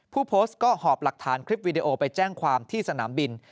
ผู้โพสต์ก็หอบหลักฐานคลิปวิดีโอไปแจ้งความที่สนามบิน